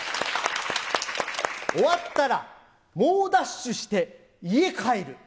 終わったら、猛ダッシュして家帰る。